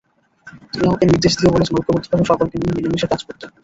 তিনি আমাকে নির্দেশ দিয়ে বলেছেন, ঐক্যবদ্ধভাবে সকলকে নিয়ে মিলেমিশে কাজ করতে।